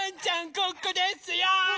ここですよ！